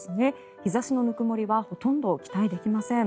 日差しのぬくもりはほとんど期待できません。